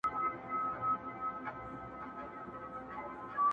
o دبدبه د حُسن وه چي وحسي رام سو,